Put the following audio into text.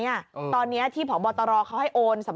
คุณผู้ชมฟังช่างปอลเล่าคุณผู้ชมฟังช่างปอลเล่าคุณผู้ชมฟังช่างปอลเล่า